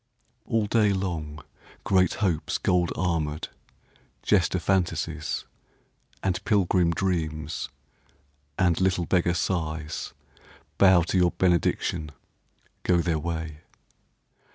All day long Great Hopes gold armoured, jester Fantasies, And pilgrim Dreams, and little beggar Sighs, Bow to your benediction, go their way.